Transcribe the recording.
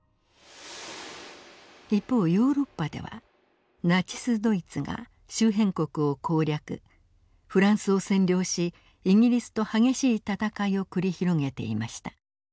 一方ヨーロッパではナチス・ドイツが周辺国を攻略フランスを占領しイギリスと激しい戦いを繰り広げていました。